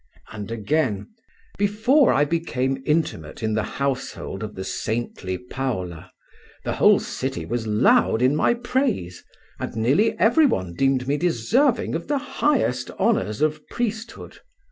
And again: "Before I became intimate in the household of the saintly Paula, the whole city was loud in my praise, and nearly every one deemed me deserving of the highest honours of priesthood.